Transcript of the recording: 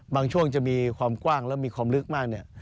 ช่วงจะมีความกว้างแล้วมีความลึกมากเนี่ย